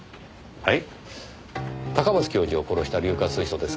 はい。